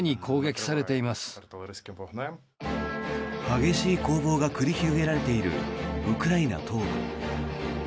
激しい攻防が繰り広げられているウクライナ東部。